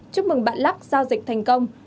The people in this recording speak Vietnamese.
chúc mừng bạn lắc giao dịch thành công